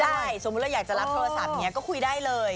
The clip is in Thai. ใช่สมมุติเราอยากจะรับโทรศัพท์อย่างนี้ก็คุยได้เลย